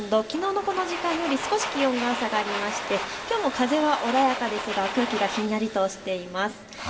きのうのこの時間より少し気温が下がりましてきょうも風は穏やかですが空気がひんやりとしています。